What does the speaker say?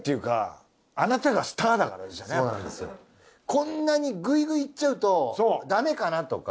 こんなにグイグイいっちゃうとダメかなとか。